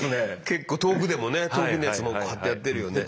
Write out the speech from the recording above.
結構遠くでもね遠くのやつもこうやってやってるよね。